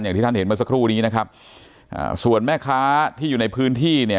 อย่างที่ท่านเห็นเมื่อสักครู่นี้นะครับอ่าส่วนแม่ค้าที่อยู่ในพื้นที่เนี่ย